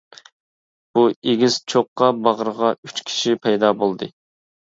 بۇ ئېگىز چوققا باغرىغا ئۈچ كىشى پەيدا بولدى.